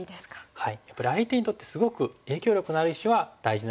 はい。